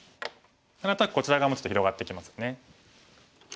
何となくこちら側もちょっと広がってきますよね。